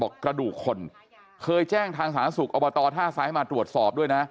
กระดูกคนเคยแจ้งทางสาธารณสุขอบตท่าซ้ายมาตรวจสอบด้วยนะ